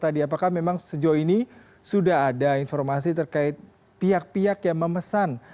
apakah memang sejauh ini sudah ada informasi terkait pihak pihak yang memesan